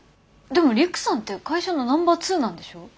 でも陸さんって会社のナンバー２なんでしょ？